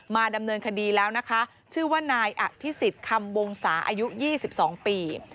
ดำเนินคดีแล้วนะคะชื่อว่านายอภิษฎคำวงศาอายุ๒๒ปี